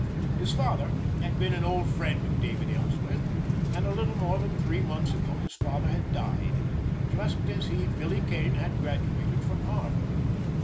His father had been an old friend of David Ellsworth; and a little more than three months ago his father had died, just as he, Billy Kane, had graduated from Harvard.